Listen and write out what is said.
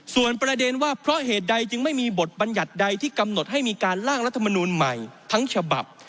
ส่วนประเด็นว่าเพราะเหตุใดจึงไม่มีบทบัญญัติใดที่กำหนดให้มีการล่างรัฐมนูลใหม่ทั้งฉบับ